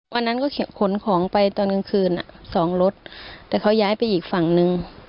วันนั้นก็ขนของไปตอนกลางคืนอ่ะสองรถแต่เขาย้ายไปอีกฝั่งนึง